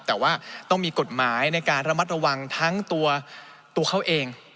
แต่ว่าต้องมีกฎหมายในการระมัดระวังทั้งตัวเขาเอง